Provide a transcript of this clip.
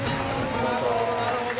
なるほどなるほど。